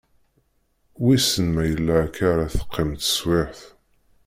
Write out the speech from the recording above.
Wissen ma yella akka ara teqqim teswiɛt.